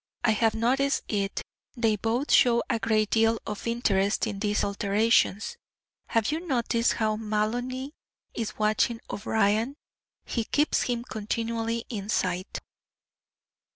"I have noticed it. They both show a great deal of interest in these alterations. Have you noticed how Maloney is watching O'Brien? He keeps him continually in sight."